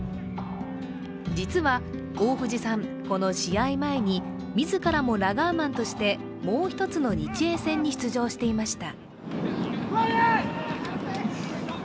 実は大藤さん、この試合前に自らもラガーマンとしてもう一つの日英戦に出場していました。